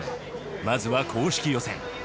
まずは公式予選。